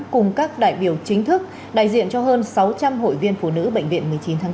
cùng các đại biểu chính thức đại diện cho hơn sáu trăm linh hội viên phụ nữ bệnh viện một mươi chín tháng bốn